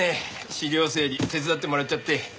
資料整理手伝ってもらっちゃって。